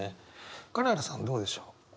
金原さんどうでしょう？